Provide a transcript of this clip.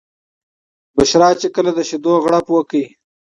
بشرا چې کله د شیدو غوړپ وکړ.